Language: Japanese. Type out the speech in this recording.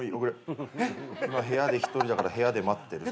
「今部屋で１人だから部屋で待ってる」